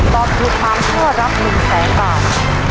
ตอบถูกสามข้อรับหนึ่งแสงบาท